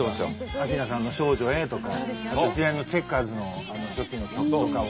明菜さんの「少女Ａ」とか一連のチェッカーズの初期の曲とかを。